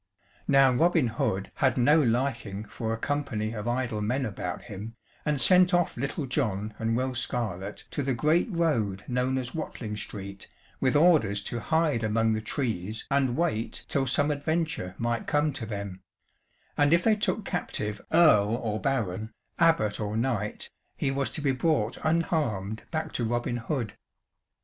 Now Robin Hood had no liking for a company of idle men about him, and sent off Little John and Will Scarlett to the great road known as Watling Street, with orders to hide among the trees and wait till some adventure might come to them; and if they took captive earl or baron, abbot or knight, he was to be brought unharmed back to Robin Hood.